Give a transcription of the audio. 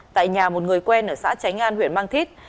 tại nhà một người quen ở xã tránh an huyện mang thít